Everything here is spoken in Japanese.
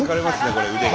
これ腕が。